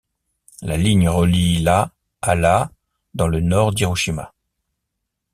La ligne relie la à la dans le nord d'Hiroshima.